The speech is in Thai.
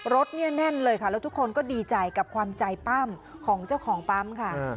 รถเนี่ยแน่นเลยค่ะแล้วทุกคนก็ดีใจกับความใจปั้มของเจ้าของปั๊มค่ะ